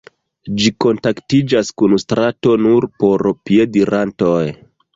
Ĝi kontaktiĝas kun strato nur por piedirantoj.